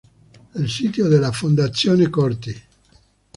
El sitio de la Fondazione Corti